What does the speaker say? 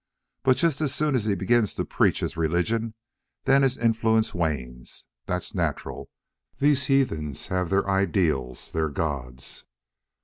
But just as soon as he begins to preach his religion, then his influence wanes. That's natural. These heathen have their ideals, their gods."